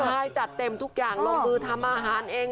ใช่จัดเต็มทุกอย่างลงมือทำอาหารเอง